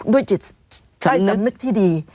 ด้วยจิตใต้สำนึกที่ดี